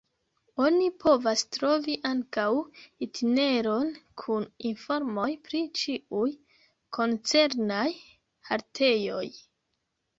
Oni povas trovi ankaŭ itineron kun informoj pri ĉiuj koncernaj haltejoj.